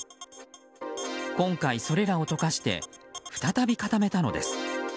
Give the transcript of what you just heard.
今回それらを溶かして再び固めたのです。